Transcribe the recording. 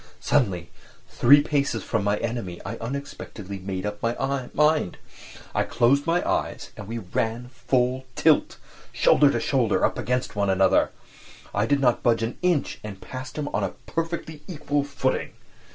Suddenly, three paces from my enemy, I unexpectedly made up my mind—I closed my eyes, and we ran full tilt, shoulder to shoulder, against one another! I did not budge an inch and passed him on a perfectly equal footing!